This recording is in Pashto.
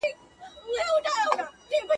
نه له زوره د زلمیو مځکه ګډه په اتڼ ده.